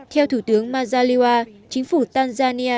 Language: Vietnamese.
theo thủ tướng mazaliwa chính phủ tanzania